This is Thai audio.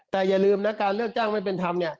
แต่อย่าลืมนะการเลือกจ้างไม่เป็นธรรมเนี่ย